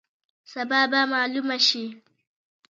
سبا به معلومه شي.